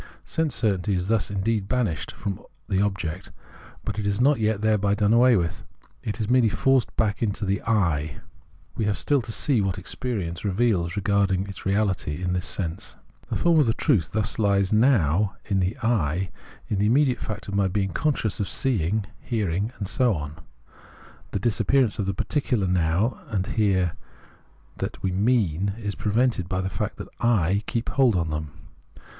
Sense certainty is thus indeed banished from the object, but it is not yet thereby done away with ; it is merely forced back into the I. We have still to see what experience reveals regarding its reality in this sense. The force of its truth thus Hes now in the I, in the, immediate fact of my being conscious of seeing, hearing, ( and so on ; the disappearance of the particular Now ' and Here that we " mean " is prevented by the fact that / keep hold on them.